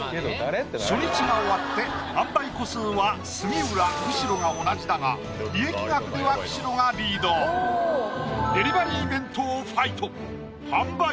初日が終わって販売個数は杉浦・久代が同じだが利益額では久代がリードデリバリー弁当ファイト販売